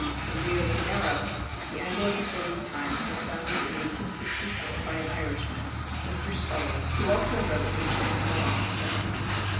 In Rio Janeiro the Anglo Brasilian Times was founded in 1864 by an Irishman, Mr. Scully, who also wrote an important book on Brazil.